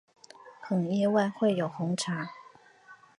很意外会有红茶